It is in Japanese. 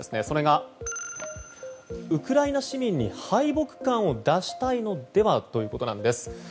それが、ウクライナ市民に敗北感を生み出したいのではということなんです。